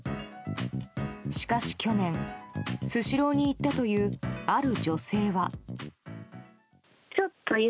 しかし去年、スシローに行ったというある女性は。